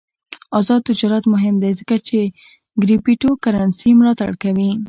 آزاد تجارت مهم دی ځکه چې کریپټو کرنسي ملاتړ کوي.